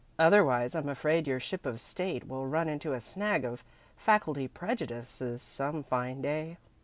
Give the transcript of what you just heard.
"Otherwise I'm afraid your ship of state will run into a snag of faculty prejudices some fine day."